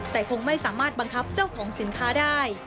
แต่คงไม่สามารถบังคับเจ้าของสินค้าได้